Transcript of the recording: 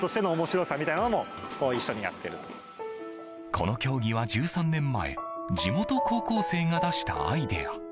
この競技は１３年前地元高校生が出したアイデア。